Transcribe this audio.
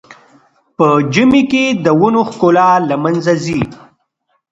په ژمي کې د ونو ښکلا له منځه ځي.